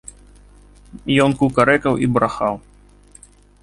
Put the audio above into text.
Ён кукарэкаў і брахаў.